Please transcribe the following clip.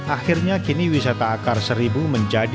akhirnya kini wisata akar seribu ini juga berjalan